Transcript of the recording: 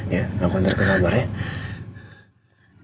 ya aku hantar ke kamarnya